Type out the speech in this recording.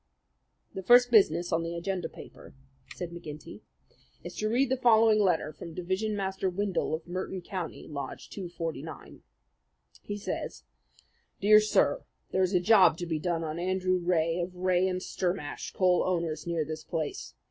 "The first business on the agenda paper," said McGinty, "is to read the following letter from Division Master Windle of Merton County Lodge 249. He says: "Dear Sir: "There is a job to be done on Andrew Rae of Rae & Sturmash, coal owners near this place.